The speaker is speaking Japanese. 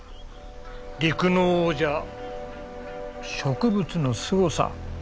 陸の王者植物のすごさ